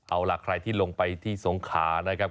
เอาล่ะใครที่ลงไปที่สงขานะครับ